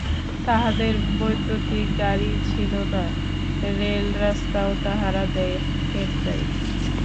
তাঁহাদের বৈদ্যুতিক গাড়ী ছিল না, রেলরাস্তাও তাঁহারা দেখেন নাই।